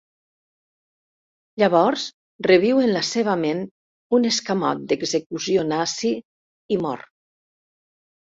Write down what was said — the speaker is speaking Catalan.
Llavors reviu en la seva ment un escamot d'execució nazi i mor.